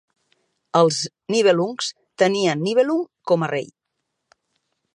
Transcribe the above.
Els Nibelungs tenien Nibelung com a rei.